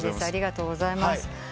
ありがとうございます。